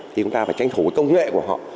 thì chúng ta phải tranh thủ công nghệ của họ